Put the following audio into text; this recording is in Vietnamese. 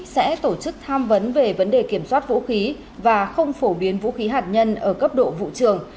sẽ tổ chức tham vấn về vấn đề kiểm soát vũ khí và không phổ biến vũ khí hạt nhân ở cấp độ vụ trường